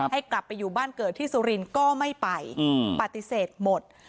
ให้กลับไปอยู่บ้านเกิดที่สุรินทร์ก็ไม่ไปปฏิเสธหมด